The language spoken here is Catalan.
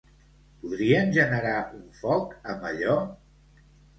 Podrien generar un foc amb allò?